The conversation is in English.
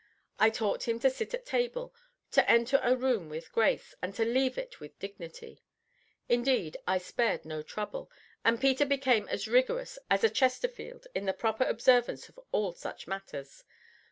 I taught him to sit at table; to enter a room with grace, and to leave it with dignity. Indeed, I spared no trouble, and Peter became as rigorous as a Chesterfield in the proper observance of all such matters.